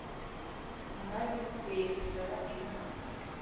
Ahari dukwiye gusaba inama.